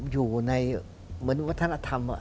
อยู่ในเหมือนวัฒนธรรม